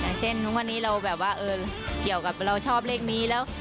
อย่างเช่นทุกวันนี้เราแบบว่าเกี่ยวกับเราชอบเลขนี้แล้ว